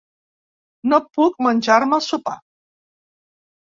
No puc menjar-me el sopar.